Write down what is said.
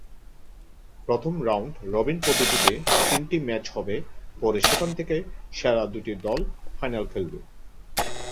প্রথমে round robin পদ্ধতিতে তিনটি ম্যাচ হবে পরে সেখান থেকে সেরা দুটি দল ফাইনাল খেলবে।